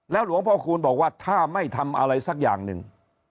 หลวงพ่อคูณบอกว่าถ้าไม่ทำอะไรสักอย่างหนึ่ง